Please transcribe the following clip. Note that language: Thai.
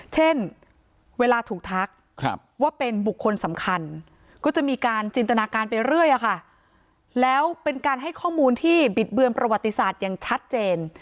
เช่นเวลาถูกทักว่าเป็นบุคคลสำคัญก็จะมีการจินตนาการไปเรื่อยแล้วเป็นการให้ข้อมูลที่บิดเบือนประวัติศาสตร์อย่างชัดเจน